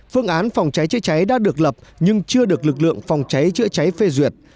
phương án phòng cháy chữa cháy đã được lập nhưng chưa được lực lượng phòng cháy chữa cháy phê duyệt